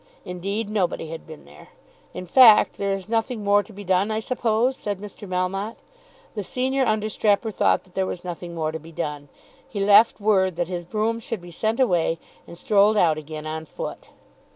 Indeed, nobody had been there. "In fact, there is nothing more to be done, I suppose?" said Mr. Melmotte. The senior understrapper thought that there was nothing more to be done. He left word that his brougham should be sent away, and strolled out again on foot.